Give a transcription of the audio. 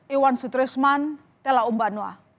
iwan sutrisman tela umbanwa